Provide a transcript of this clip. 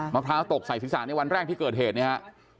มะพร้าวตกใส่ศิษฐานในวันแรกที่เกิดเหตุนะครับ